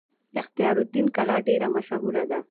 اختیار الدین کلا ډیره مشهوره ده